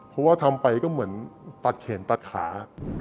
เพราะว่าทำไปก็เหมือนตัดแขนตัดขา